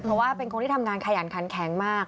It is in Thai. เพราะว่าเป็นคนที่ทำงานขยันขันแข็งมาก